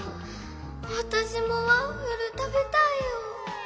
わたしもワッフルたべたいよ！